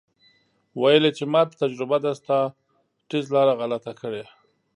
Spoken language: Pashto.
ویل یې چې ماته تجربه ده ستا ټیز لاره غلطه کړې.